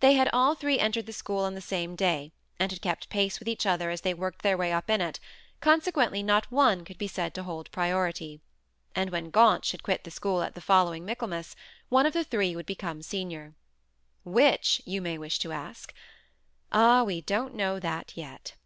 They had all three entered the school on the same day, and had kept pace with each other as they worked their way up in it, consequently not one could be said to hold priority; and when Gaunt should quit the school at the following Michaelmas, one of the three would become senior. Which, you may wish to ask? Ah, we don't know that, yet.